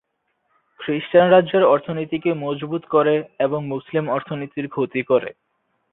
খ্রিস্টান রাজ্যের অর্থনীতিকে মজবুত করে, এবং মুসলিম অর্থনীতির ক্ষতি করে।